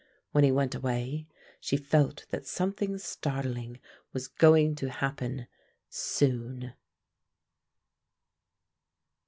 When he went away she felt that something startling was going to happen soon.